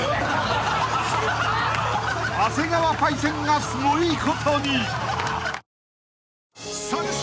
［長谷川パイセンがすごいことに！］